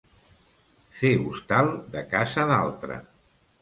Fer hostal de casa d'altre.